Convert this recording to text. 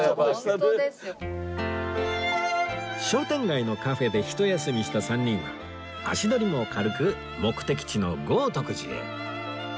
商店街のカフェでひと休みした３人は足取りも軽く目的地の豪徳寺へ